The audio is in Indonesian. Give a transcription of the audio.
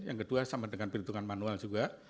yang kedua sama dengan perhitungan manual juga